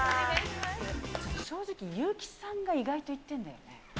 正直、優木さんが意外といってんのよね。